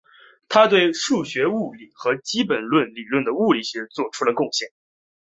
他对数学物理和基本理论物理学做出了贡献。